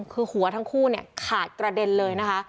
คือหัวทั้งคู่เนี่ยขาดกระเด็นเลยนะคะ